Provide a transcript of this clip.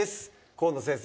河野先生